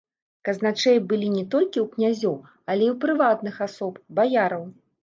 Казначэі былі не толькі ў князёў, але і ў прыватных асоб, баяраў.